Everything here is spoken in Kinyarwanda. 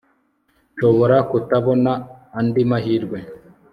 nshobora kutabona andi mahirwe